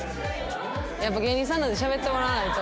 やっぱ芸人さんなんでしゃべってもらわないと。